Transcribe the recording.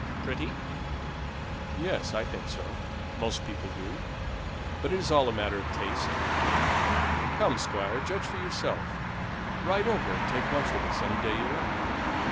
"Pretty?" "Yes, I think so; most people do; but it's all a matter of taste. Come, Squire, judge for yourself. Ride over and take lunch with us any day you like.